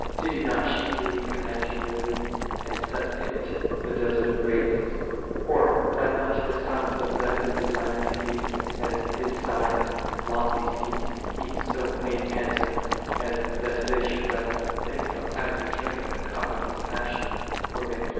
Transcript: "10 Did He not chiefly commend humility, and set in it the desert of greatness ? Or when unto the sons of Zebedee desiring to be at His side in lofty seats He so made answer," as that they should rather think of having to drink the Cup of His Passion, wherein He assuredly as not coming unto Him. Whence